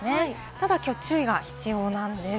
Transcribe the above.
ただ今日は注意が必要です。